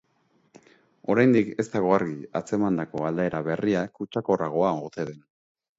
Oraindik ez dago argi atzemandako aldaera berria kutsakorragoa ote den.